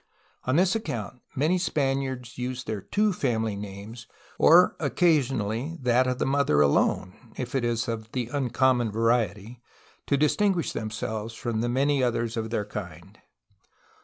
On this account many Spaniards use their two family names or oc casionally that of the mother alone (if it is of the uncommon variety) to distinguish themselves from the many others of their kind.